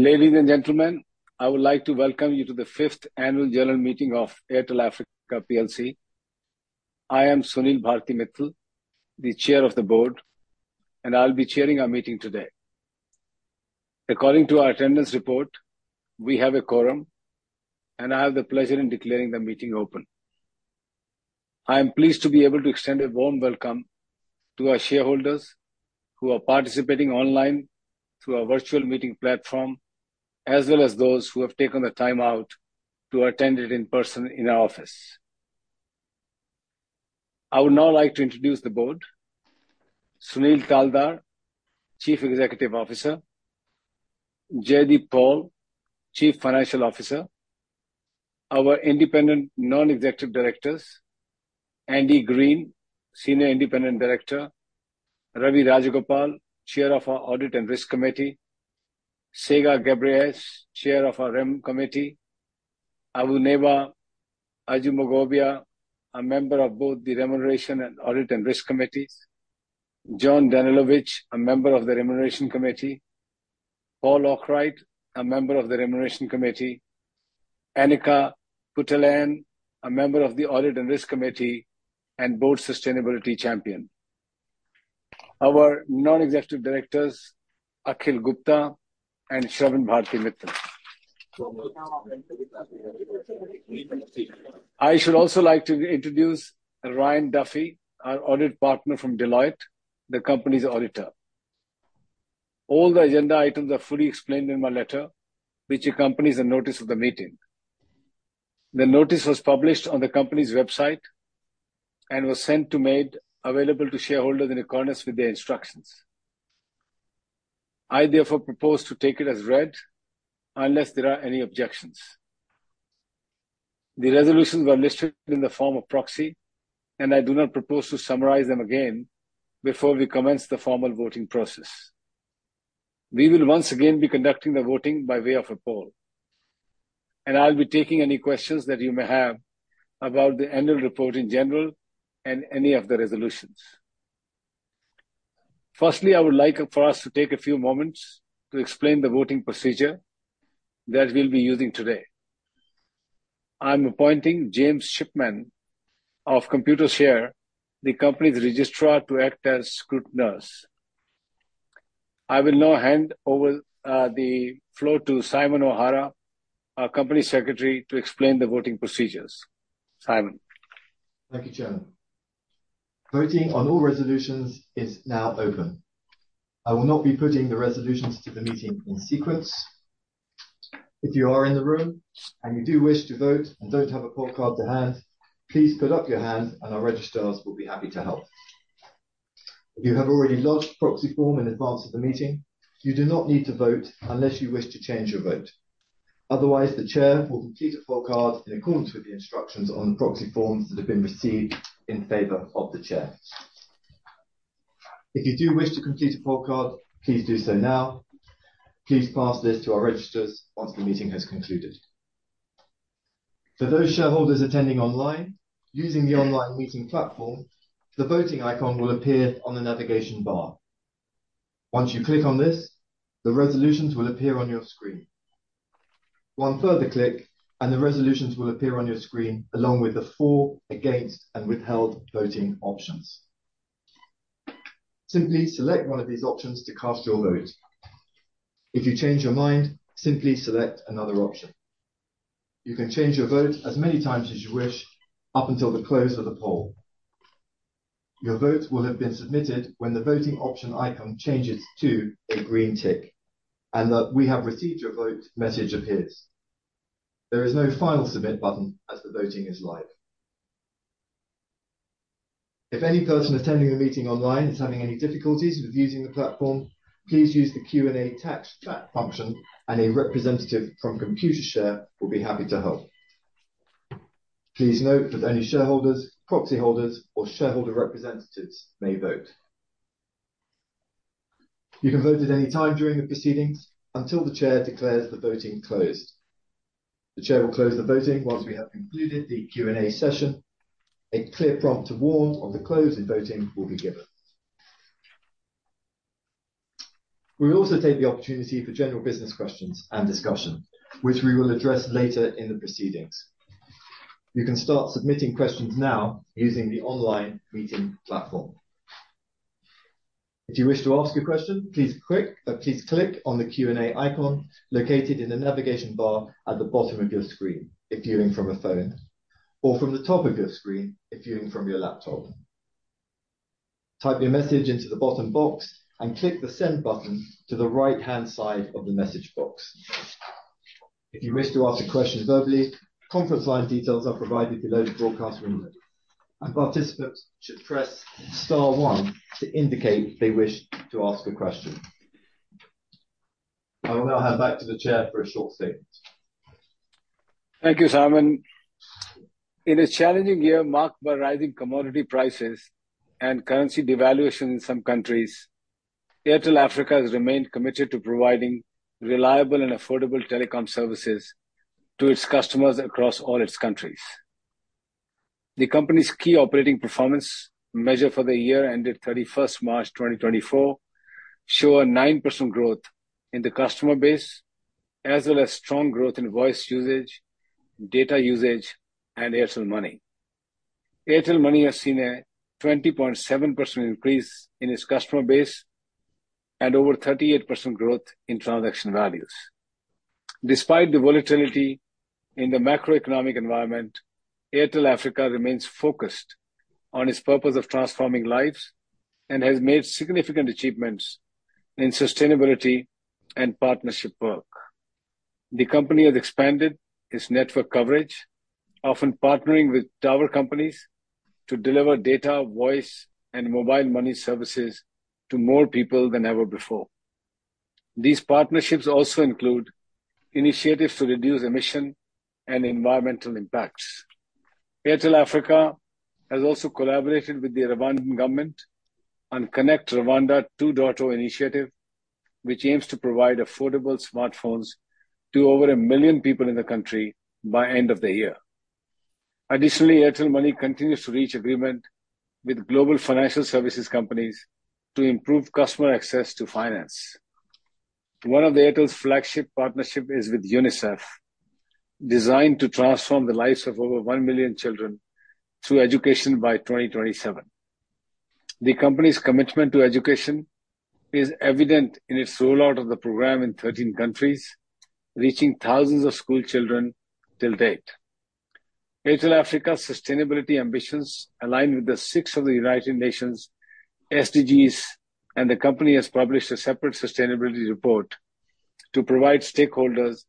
Ladies and gentlemen, I would like to welcome you to the fifth annual general meeting of Airtel Africa plc. I am Sunil Bharti Mittal, the Chair of the Board, and I'll be chairing our meeting today. According to our attendance report, we have a quorum, and I have the pleasure in declaring the meeting open. I am pleased to be able to extend a warm welcome to our shareholders who are participating online through our virtual meeting platform, as well as those who have taken the time out to attend it in person in our office. I would now like to introduce the board. Sunil Taldar, Chief Executive Officer. Jaideep Paul, Chief Financial Officer. Our independent non-executive directors, Andy Green, Senior Independent Director. Ravi Rajagopal, Chair of our Audit and Risk Committee. Tsegaye Gebreyes, Chair of our Rem Committee. Awuneba Ajumogobia, a member of both the Remuneration and Audit and Risk Committees. John Danilovich, a member of the Remuneration Committee. Paul Arkwright, a member of the Remuneration Committee. Annika Poutiainen, a member of the Audit and Risk Committee and Board Sustainability Champion. Our non-executive directors, Akhil Gupta and Shravan Bharti Mittal. I should also like to introduce Ryan Duffy, our audit partner from Deloitte, the company's auditor. All the agenda items are fully explained in my letter, which accompanies a notice of the meeting. The notice was published on the company's website and was made available to shareholders in accordance with their instructions. I therefore propose to take it as read, unless there are any objections. The resolutions are listed in the form of proxy, and I do not propose to summarize them again before we commence the formal voting process. We will once again be conducting the voting by way of a poll, and I'll be taking any questions that you may have about the annual report in general and any of the resolutions. Firstly, I would like for us to take a few moments to explain the voting procedure that we'll be using today. I'm appointing James Shipman of Computershare, the company's registrar, to act as scrutineers. I will now hand over the floor to Simon O'Hara, our company secretary, to explain the voting procedures. Simon? Thank you, Chair. Voting on all resolutions is now open. I will not be putting the resolutions to the meeting in sequence. If you are in the room and you do wish to vote and don't have a poll card to hand, please put up your hand, and our registrars will be happy to help. If you have already lodged a proxy form in advance of the meeting, you do not need to vote unless you wish to change your vote. Otherwise, the Chair will complete a poll card in accordance with the instructions on the proxy forms that have been received in favor of the Chair. If you do wish to complete a poll card, please do so now. Please pass this to our registrars once the meeting has concluded. For those shareholders attending online, using the online meeting platform, the voting icon will appear on the navigation bar. Once you click on this, the resolutions will appear on your screen. One further click, and the resolutions will appear on your screen, along with the for, against, and withheld voting options. Simply select one of these options to cast your vote. If you change your mind, simply select another option. You can change your vote as many times as you wish, up until the close of the poll. Your vote will have been submitted when the voting option icon changes to a green tick, and the "We have received your vote" message appears. There is no final submit button, as the voting is live. If any person attending the meeting online is having any difficulties with using the platform, please use the Q&A text chat function, and a representative from Computershare will be happy to help. Please note that only shareholders, proxy holders, or shareholder representatives may vote. You can vote at any time during the proceedings until the Chair declares the voting closed. The Chair will close the voting once we have concluded the Q&A session. A clear prompt to warn of the close in voting will be given. We will also take the opportunity for general business questions and discussion, which we will address later in the proceedings. You can start submitting questions now using the online meeting platform. If you wish to ask a question, please click on the Q&A icon located in the navigation bar at the bottom of your screen if viewing from a phone, or from the top of your screen if viewing from your laptop. Type your message into the bottom box and click the Send button to the right-hand side of the message box. If you wish to ask a question verbally, conference line details are provided below the broadcast window, and participants should press star one to indicate they wish to ask a question. I will now hand back to the Chair for a short statement. Thank you, Simon. In a challenging year, marked by rising commodity prices and currency devaluation in some countries, Airtel Africa has remained committed to providing reliable and affordable telecom services to its customers across all its countries. The company's key operating performance measure for the year ended 31st March 2024, show a 9% growth in the customer base, as well as strong growth in voice usage, data usage, and Airtel Money. Airtel Money has seen a 20.7% increase in its customer base, and over 38% growth in transaction values. Despite the volatility in the macroeconomic environment, Airtel Africa remains focused on its purpose of transforming lives, and has made significant achievements in sustainability and partnership work. The company has expanded its network coverage, often partnering with tower companies to deliver data, voice, and mobile money services to more people than ever before. These partnerships also include initiatives to reduce emissions and environmental impacts. Airtel Africa has also collaborated with the Rwandan government on ConnectRwanda 2.0 initiative, which aims to provide affordable smartphones to over 1 million people in the country by end of the year. Additionally, Airtel Money continues to reach agreement with global financial services companies to improve customer access to finance. One of Airtel's flagship partnership is with UNICEF, designed to transform the lives of over 1 million children through education by 2027. The company's commitment to education is evident in its rollout of the program in 13 countries, reaching thousands of school children to date. Airtel Africa's sustainability ambitions align with six of the United Nations SDGs, and the company has published a separate sustainability report to provide stakeholders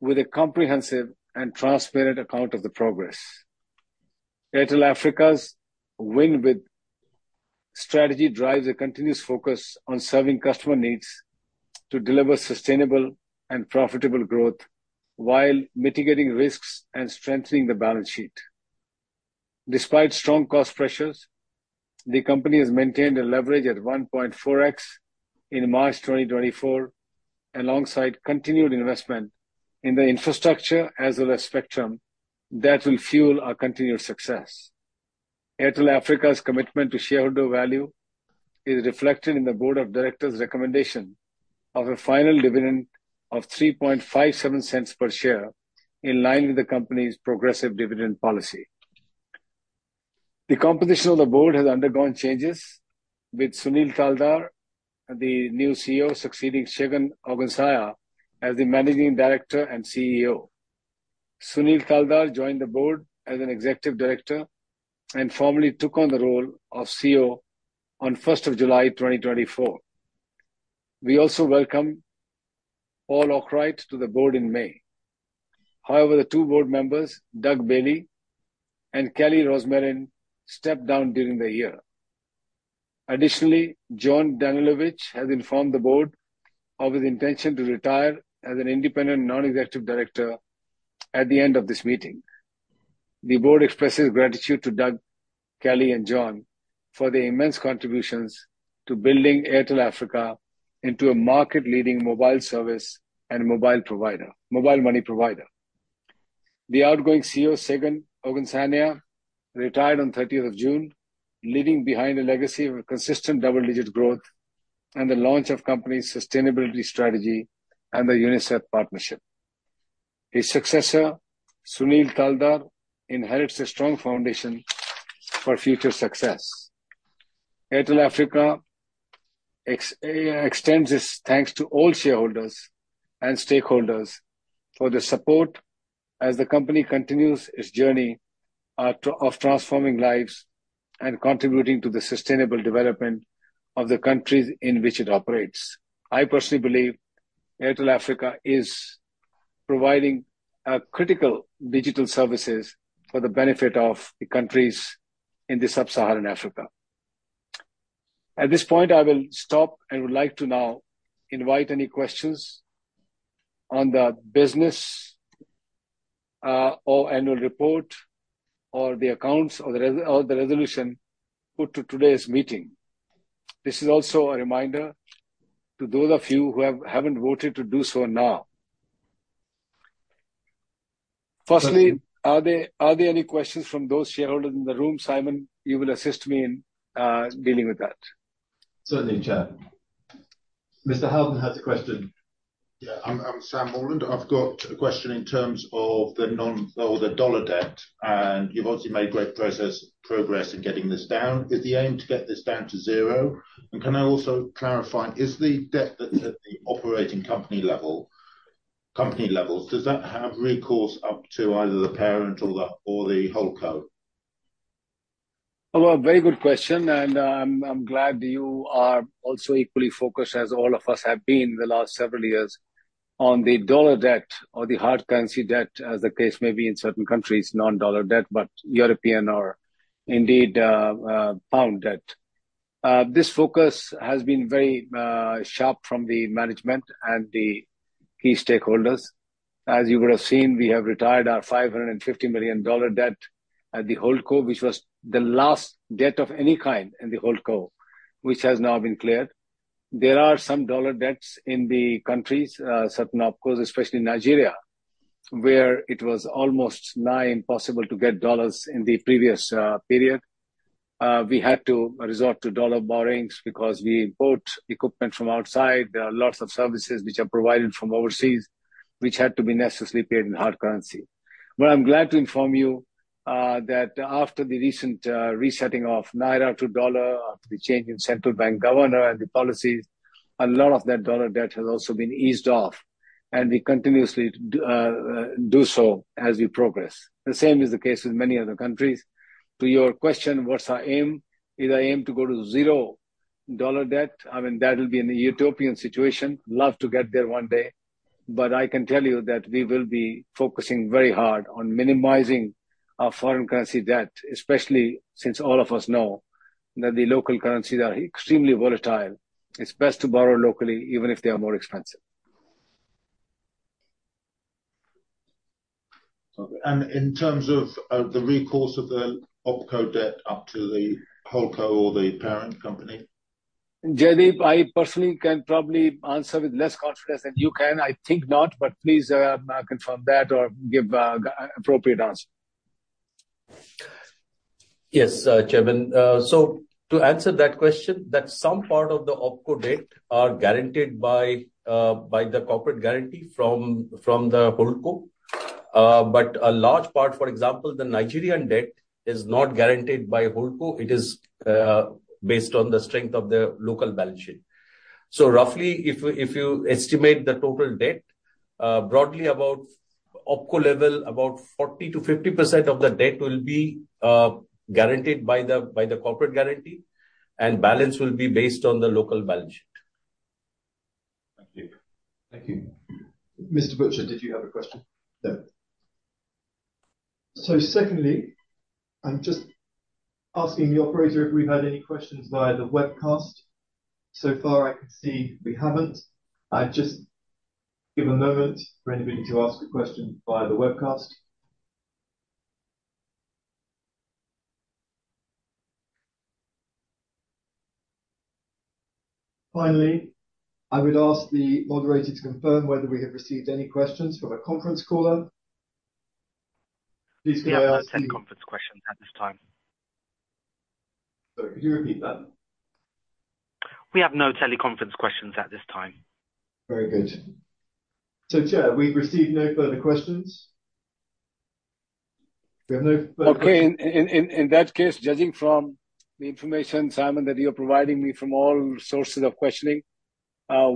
with a comprehensive and transparent account of the progress. Airtel Africa's “Win with” strategy drives a continuous focus on serving customer needs to deliver sustainable and profitable growth while mitigating risks and strengthening the balance sheet. Despite strong cost pressures, the company has maintained a leverage at 1.4x in March 2024, alongside continued investment in the infrastructure as well as spectrum that will fuel our continued success. Airtel Africa's commitment to shareholder value is reflected in the board of directors' recommendation of a final dividend of $0.0357 per share, in line with the company's progressive dividend policy. The composition of the board has undergone changes, with Sunil Taldar, the new CEO, succeeding Segun Ogunsanya as the Managing Director and CEO. Sunil Taldar joined the board as an Executive Director and formally took on the role of CEO on 1 July 2024. We also welcome Paul Arkwright to the board in May. However, the two board members, Doug Baillie and Kelly Rosmarin, stepped down during the year. Additionally, John Danilovich has informed the board of his intention to retire as an independent non-executive director at the end of this meeting. The board expresses gratitude to Doug, Kelly, and John for their immense contributions to building Airtel Africa into a market-leading mobile service and mobile provider - mobile money provider. The outgoing CEO, Segun Ogunsanya, retired on 30th of June, leaving behind a legacy of a consistent double-digit growth and the launch of company's sustainability strategy and the UNICEF partnership. His successor, Sunil Taldar, inherits a strong foundation for future success. Airtel Africa extends its thanks to all shareholders and stakeholders for their support as the company continues its journey of transforming lives and contributing to the sustainable development of the countries in which it operates. I personally believe Airtel Africa is providing critical digital services for the benefit of the countries in sub-Saharan Africa. At this point, I will stop and would like to now invite any questions on the business or annual report or the accounts or the resolution put to today's meeting. This is also a reminder to those of you who haven't voted to do so now. Firstly, are there, are there any questions from those shareholders in the room? Simon, you will assist me in dealing with that. Certainly, Chair. Mr. Halden has a question. Yeah, I'm Sam Morland. I've got a question in terms of the non- or the dollar debt, and you've obviously made great progress in getting this down. Is the aim to get this down to zero? And can I also clarify, is the debt that's at the operating company level, company levels, does that have recourse up to either the parent or the HoldCo? Oh, a very good question, and I'm glad you are also equally focused, as all of us have been the last several years, on the dollar debt or the hard currency debt, as the case may be in certain countries, non-dollar debt, but European or indeed pound debt. This focus has been very sharp from the management and the key stakeholders. As you would have seen, we have retired our $550 million debt at the HoldCo, which was the last debt of any kind in the HoldCo, which has now been cleared. There are some dollar debts in the countries, certain OpCos, especially Nigeria, where it was almost nigh impossible to get dollars in the previous period. We had to resort to dollar borrowings because we import equipment from outside. There are lots of services which are provided from overseas, which had to be necessarily paid in hard currency. But I'm glad to inform you, that after the recent, resetting of naira to dollar, after the change in central bank governor and the policies, a lot of that dollar debt has also been eased off, and we continuously do so as we progress. The same is the case with many other countries. To your question, what's our aim? Is our aim to go to zero dollar debt? I mean, that will be in a utopian situation. Love to get there one day, but I can tell you that we will be focusing very hard on minimizing our foreign currency debt, especially since all of us know that the local currencies are extremely volatile. It's best to borrow locally, even if they are more expensive. Okay. And in terms of the recourse of the OpCo debt up to the HoldCo or the parent company? Jaideep, I personally can probably answer with less confidence than you can. I think not, but please, confirm that or give appropriate answer. Yes, Chairman. So to answer that question, that some part of the OpCo debt are guaranteed by, by the corporate guarantee from, from the HoldCo. But a large part, for example, the Nigerian debt, is not guaranteed by HoldCo. It is, based on the strength of the local balance sheet. So roughly, if you, if you estimate the total debt, broadly about OpCo level, about 40%-50% of the debt will be, guaranteed by the, by the corporate guarantee, and balance will be based on the local balance sheet. Thank you. Thank you. Mr. Butcher, did you have a question? No. So secondly, I'm just asking the operator if we've had any questions via the webcast. So far, I can see we haven't. I'll just give a moment for anybody to ask a question via the webcast. Finally, I would ask the moderator to confirm whether we have received any questions from a conference caller. Please, can I? We have no teleconference questions at this time. Sorry, could you repeat that? We have no teleconference questions at this time. Very good. So Chair, we've received no further questions? We have no further questions. Okay. In that case, judging from the information, Simon, that you're providing me from all sources of questioning,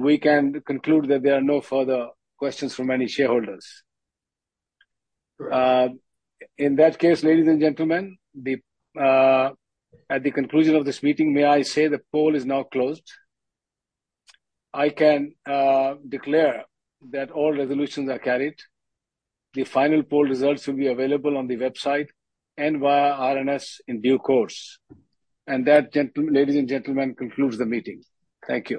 we can conclude that there are no further questions from any shareholders. Correct. In that case, ladies and gentlemen, at the conclusion of this meeting, may I say the poll is now closed. I can declare that all resolutions are carried. The final poll results will be available on the website and via RNS in due course. And that, ladies and gentlemen, concludes the meeting. Thank you.